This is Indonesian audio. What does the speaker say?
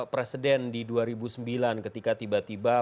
presiden di dua ribu sembilan ketika tiba tiba